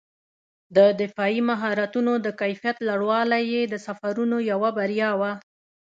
د دفاعي مهارتونو د کیفیت لوړوالی یې د سفرونو یوه بریا وه.